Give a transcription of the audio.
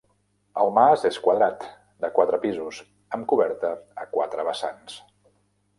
El mas és quadrat, de quatre pisos, amb coberta a quatre vessants.